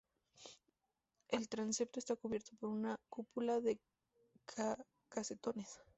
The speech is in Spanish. El transepto está cubierto por una cúpula de casetones.